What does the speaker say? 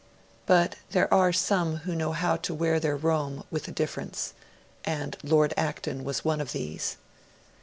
But, there are some who know how to wear their Rome with a difference; and Lord Acton was one of these.